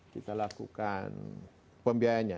kita lakukan pembiayanya